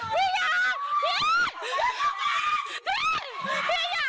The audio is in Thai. พี่พี่อย่าพี่